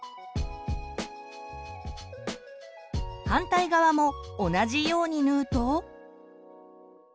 反対側も同じように縫うと。